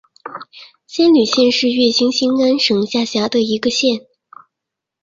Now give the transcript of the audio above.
仙侣县是越南兴安省下辖的一个县。